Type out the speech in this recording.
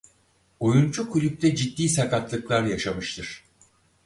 Oyuncu kulüpte ciddi sakatlıklar yaşamıştır.